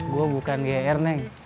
gue bukan gr neng